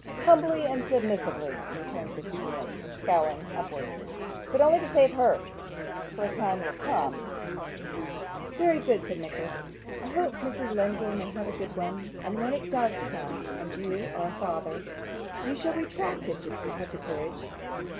'Humbly and submissively,' returned the tragedian, scowling upwards. 'But only to save her, for a time will come ' 'Very good,' said Nicholas; 'I hope Mrs. Lenville may have a good one; and when it does come, and you are a father, you shall retract it if you have the courage.